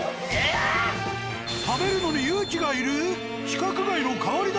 食べるのに勇気がいる？